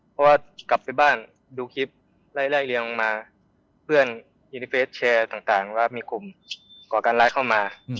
เพราะว่ากลับไปบ้านดูคลิปไล่เรียงมาเพื่อนยูนิเฟสแชร์ต่างว่ามีกลุ่มก่อการร้ายเข้ามา